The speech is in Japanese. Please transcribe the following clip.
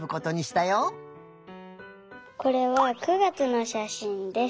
これは９月のしゃしんです。